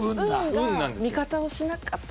運が味方をしなかった。